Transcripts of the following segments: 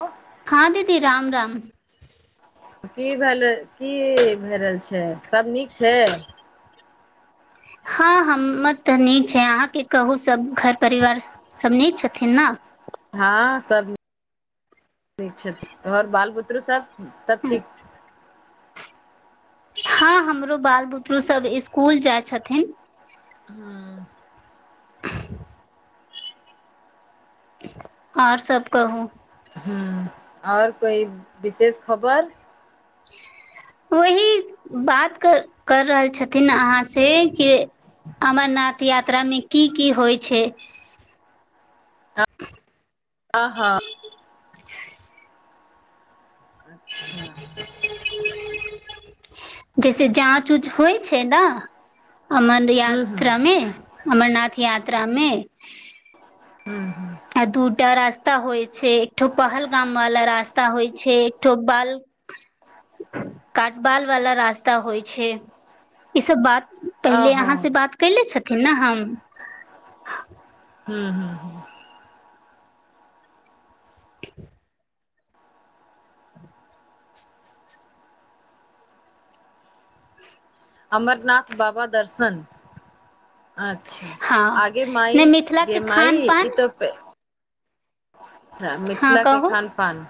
व हाँ, दीदी राम- राम। कि भेलै, कि भए रहल छै, सब नीक छै? हाँ, हमर तऽ नीक छै, अहाँके कहूँ, सभ घर परिवार सभ नीक छथिन नै? हाँ, सब ठीक छैथ, और तोहर बाल -बुतरु सब, सब ठीक? हाँ, हमरो बाल -बुतरु सब स्कुल जाय छथिन। हाँ। [inaudible] आर सब कहूँ? हुं, और कोई विशेष खबर। वही बात कर रहल छथिन अहाँ से, कि अमरनाथ यात्रा मे कि की होइ छैय? हाँ-हाँ अच्छा [unintelligible] जैसे जाँच उच होइ छै नै अमन हूँ हूँ यात्रामे अमरनाथ यात्रामे। हूं-हूं आ दूटा रास्ता होइ छै, एकठो पहलगाम वाला रास्ता होइ छै, एकठो बाल काटबाल वाला रास्ता होइ छै ई सब बात पहिले ओहो अहाँ से बात कले छथिन नै हम। हूं-हूं अमरनाथ बाबा दर्शन अच्छा हँ आगे नहि माइ गे मिथिलाके माइ खान पान ई तऽ हा हँ मिथिलाके कहू खान पान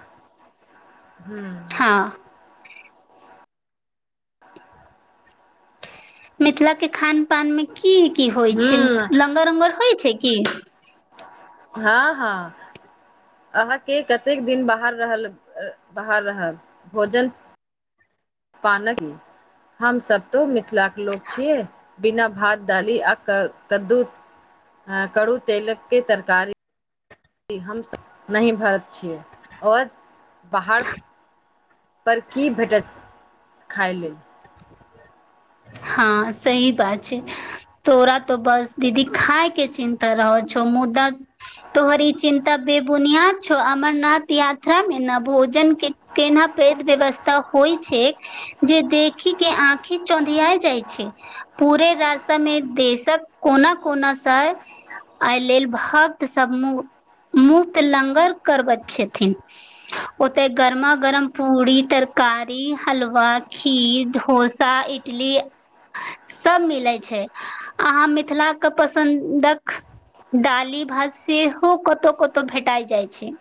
हुं। हाँ मिथिलाके खान पान मे कि की होइ छै हूँ लगर उगर होइ छै की? हाँ हाँ अहाँके कतेक दिन बाहर रहल बाहर रहब भोजन पानक हमसभ तो मिथिलाके लोक छियै। बिना भात दडाली आ कद्दू कड़ू तेलक के तरकारी। हमसब नई भारत छियै और ओहे बाहर पर की भेटत खााय लेल। हाँ सही बात छै। तोरा तो बस दीदी खाायके चिन्ता रहौ छौ मुदा तोहर इ चिन् ता बेबुनियाद छौ अमरनाथ यात्रामे ने भोजन के केना पैघ व्यवस ता होइ छै जे देखि के आँखि चौधयै त जाइ छै पूरे रास्तामे देशक कोना कोनासँ ऐलेल भक्त सब मु मुक्त लगर करबैत छथिन। ओते गर्मा गरम पूड़ी तरकारी हलवा खीर डोसा इट इटली सभ मिलै छै अहाँ मिथिलाके पसन्दक डाली भात सेहो कतहुँ कतौ भेटाइ जाइ छै।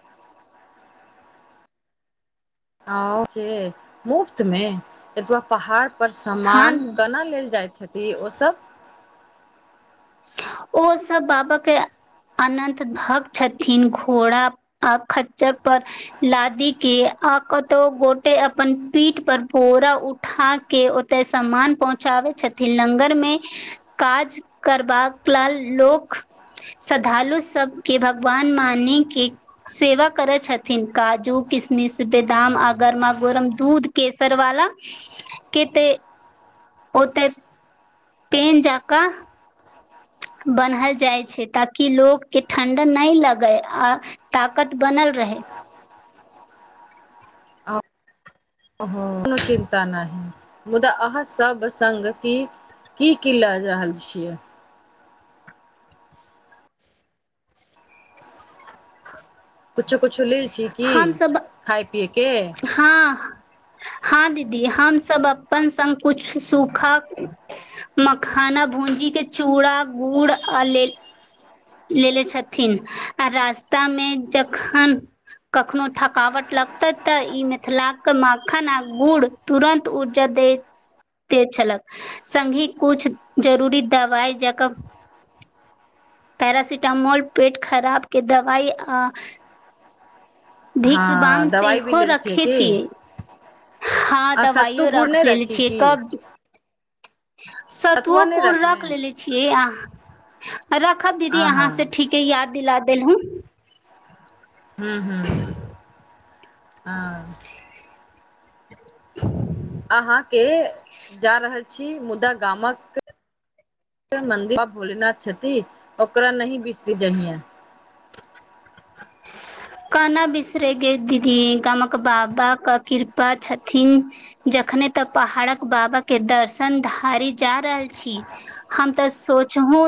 ओ जे मुफ्त मे एतबा पहाड़ पर हन समान केना लेल जाइ छथि ओसभ? ओ सभ बाबाके अनन्त भक्त छथिन घोड़ा आ खज्जर पर लादी के आकतो गोटै अपन पीठ पर बोरा उठ उठा के ओते सम्मान पहुँचाबै छथिन लंगर मे काज बकलाल लोक श्रद्धालु सभके भगवान मानिके सेवा करैतै छथिन काजू किशमिश बदाम आ गरमा गोरम दूध केसरवाला केतै ओतै पेंजा कऽ बन्हल जाइ छै ताकि लोकके ठण्डा नहि लगै आ ताकत बनल रहे। हं कोनो चिन्ता नहि मुदा अह सब संगति। की-की ल रहल छियै? कुछो-कुछो लय छीयै की खाय पियै के? हां-हां दीदी हम सब अप्पन संग कुछ सुखा मखाना भूंजी के चूड़ा-गुड़ आ ले लेेले छथिन आ रास्ता मे जखन‌ कखनो थकावट लागतै तऽ ई मिथिलाक माखन आ गुड़ तुरंन्त ऊर्जा देैत ते छलक संगहि कुछ जरूरी दवाई जका पैरासिटामोल, पेट खराब के दवाई आ भिक्स बाम हँ दवाइ भी सेहो लेल रखै की छियै। हां आ सत्तू दबाइयो गुड़ रख नहि लेले रखी छियै की कब सतुवो सतुआ नहि गुड़ रखले रख लेलै छीयै आंह रखब दीदी आ अहाँ हँ से ठीके याद दिला देलहूँ हूँ-हूँ आर ह [inaudible] अहाँके जा रहल छी मुदा गामक मन्दिर मे भोलेनाथ छथि ओकरा नहि बिसरी जहियै। ह [inaudible] कना बिसरे गे दीदी गामक बाबा कऽ कृपा छथिन। जखने तै पहाड़क बाबा के दर्शन धारी जा रहल छी। हम तै सोचहूँ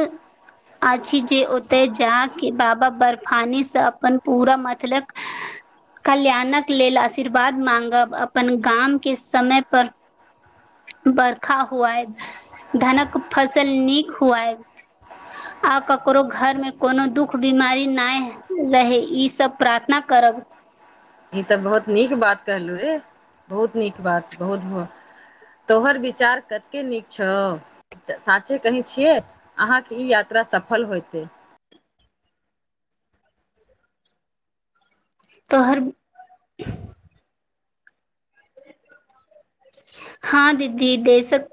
अछि जे ओता जा के बाबा बर्फानी से तै अपन पूरा मतलक कल्याणक लेल आशीर्वाद माँगब अपन गामके समय पर बर्खा हुऐब, धनक फसल नीक हुऐब। ह [inaudible] आ ककरो घरमे कोनो दुःख बीमारी नै रहय ई सब प्रार्थना करब। ई तै बहुत नीक बात कहलु रे, बहुत नीक बात, बहुत-बहुत तोहर विचार कतके नीक छौ। साचे कहय छियै, अहाँके ई यात्रा सफल होएते। तोहर हां दीदी देशक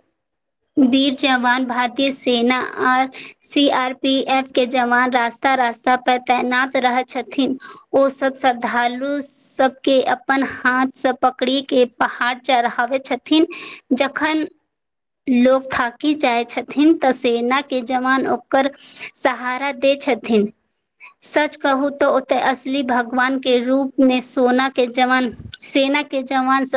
वीर जवान भारतीय सेना R C R P F के जवान रास्ता-रास्ता पर तैनात रहय छथिन। ओ सब श्रद्धालु सबके अपन हाथ से पकड़ी के पहाड़ चढ़ाबै छथिन जखन लोक थाकी जाए छथिन तै सेनाके जवान ओकर सहारा दे छथिन। सच कहू तो ओतय असली भगवान के रूपमे सोना के जवान सेना के जवान सब